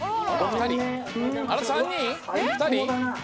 ２人？